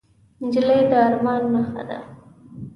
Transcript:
نجلۍ د ارمان نښه ده.